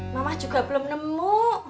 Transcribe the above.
mama juga belom nemu